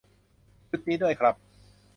ชุดนี้ด้วยครับ